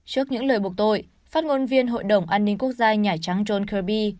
trước những lời buộc tội phát ngôn viên hội đồng an ninh quốc gia nhà trắng john kirby